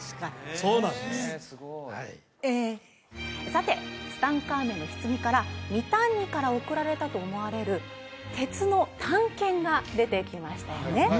さてツタンカーメンの棺からミタンニから送られたと思われる鉄の短剣が出てきましたよね